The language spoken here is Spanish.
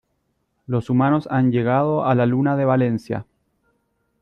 Los humanos han llegado a la Luna de Valencia.